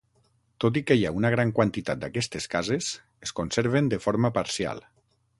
Tot i que hi ha una gran quantitat d’aquestes cases, es conserven de forma parcial.